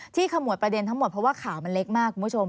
ขมวดประเด็นทั้งหมดเพราะว่าข่าวมันเล็กมากคุณผู้ชม